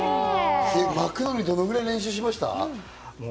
巻くのにどれぐらい練習しました？